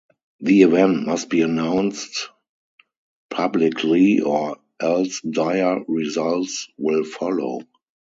The event must be announced publicly or else dire results will follow.